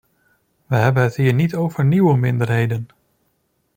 We hebben het hier niet over nieuwe minderheden.